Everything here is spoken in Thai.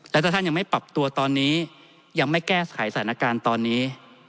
และถ้าท่านยังไม่ปรับตัวตอนนี้ยังไม่แก้ไขสถานการณ์ตอนนี้